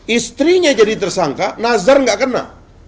istrinya jadi tersangka nazar nggak kena